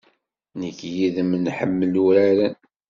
Nekk yid-m nḥemmel uraren.